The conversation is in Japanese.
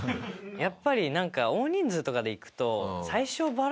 やっぱりなんか大人数とかで行くと。